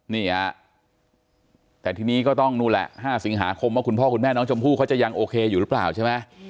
นี่ฮะแต่ทีนี้ก็ต้องนู่นแหละ๕สิงหาคมว่าคุณพ่อคุณแม่น้องชมพู่เขาจะยังโอเคอยู่หรือเปล่าใช่ไหม